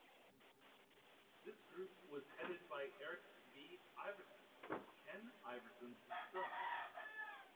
This group was headed by Eric B. Iverson, Ken Iverson's son.